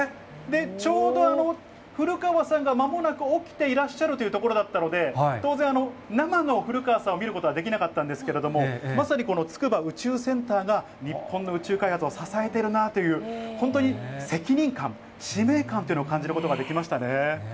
ちょうど古川さんがまもなく、起きていらっしゃるというところだったので、当然、生の古川さんを見ることはできなかったんですけれども、まさにこの筑波宇宙センターが、日本の宇宙開発を支えているなという、本当に責任感、使命感というのを感じることができましたね。